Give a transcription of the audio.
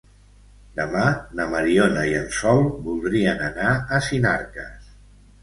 Demà na Mariona i en Sol voldrien anar a Sinarques.